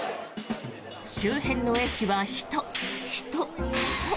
周辺の駅は人、人、人。